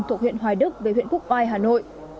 thuộc huyện hoài đức về huyện quốc oai hà nội